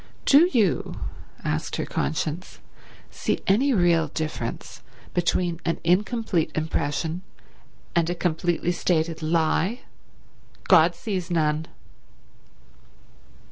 "Do you," asked her conscience, "see any real difference between an incomplete impression and a completely stated lie? God sees none."